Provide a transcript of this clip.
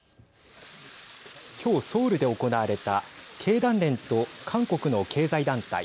きょう、ソウルで行われた経団連と韓国の経済団体